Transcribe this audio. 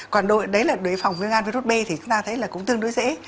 còn đội đấy là đối phòng viêm gan virus b thì chúng ta thấy là cũng tương đối dễ